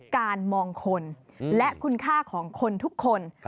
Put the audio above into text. การมองคนและคุณค่าของคนทุกคน